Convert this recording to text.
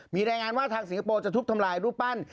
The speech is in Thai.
มีรายงานว่าทางสิงคโปร์จะทุบทำลายรูปปั้น